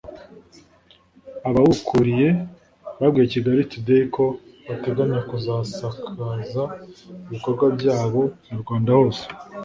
Abawukuriye babwiye Kigali Today ko bateganya kuzasakaza ibikorwa byabo mu Rwanda hose